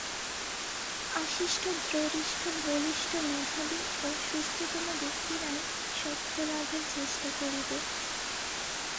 আশিষ্ঠ দ্রঢ়িষ্ঠ বলিষ্ঠ মেধাবী ও সুস্থতম ব্যক্তিরাই সত্যলাভের চেষ্টা করিবে।